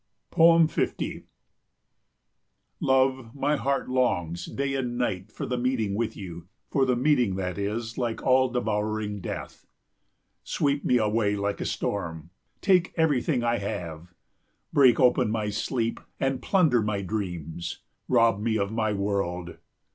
50 Love, my heart longs day and night for the meeting with you for the meeting that is like all devouring death. Sweep me away like a storm; take everything I have; break open my sleep and plunder my dreams. Rob me of my world.